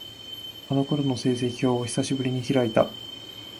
あの頃の成績表を、久しぶりに開いた。